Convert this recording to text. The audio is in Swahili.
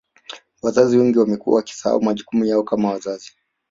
Wazazi wengi wamekuwa wakisahau majukumu yao kama wazazi